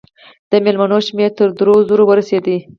د مېلمنو شمېر تر دوو زرو ورسېدی.